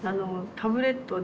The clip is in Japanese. タブレットで？